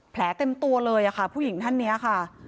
แผลเต็มตัวเลยค่ะผู้หญิงท่านนี้ค่ะ